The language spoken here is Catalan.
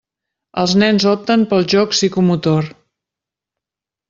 Els nens opten pel joc psicomotor.